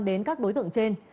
đến các đối tượng trên